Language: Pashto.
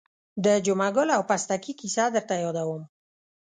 د جمعه ګل او پستکي کیسه در یادوم.